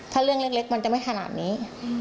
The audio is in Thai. ถ้าเรื่องเล็กมันจะไม่ขนาดนี้